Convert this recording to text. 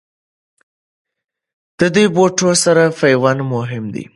د دې بوټو سره پیوند مهم دی.